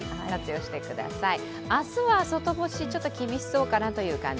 明日は外干しちょっと厳しそうかなという感じ。